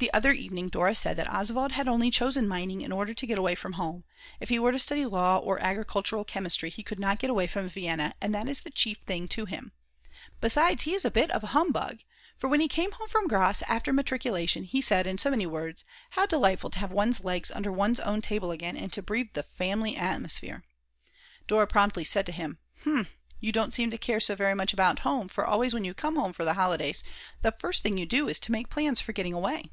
The other evening Dora said that Oswald had only chosen mining in order to get away from home; if he were to study law or agricultural chemistry he could not get away from Vienna, and that is the chief thing to him. Besides, he is a bit of a humbug; for when he came home from Graz after matriculation he said in so many words: "How delightful to have one's legs under one's own table again and to breathe the family atmosphere." Dora promptly said to him: "Hm, you don't seem to care so very much about home, for always when you come home for the holidays the first thing you do is to make plans for getting away."